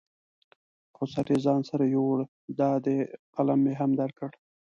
خو سر یې ځان سره یوړ، دا دی قلم مې هم درکړ.